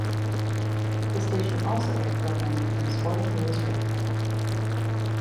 The station also aired programming from Sporting News Radio.